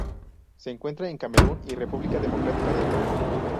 Se encuentra en Camerún y República Democrática del Congo.